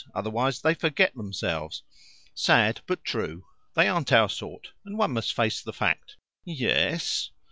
Otherwise they forget themselves. Sad, but true. They aren't our sort, and one must face the fact." "Ye es."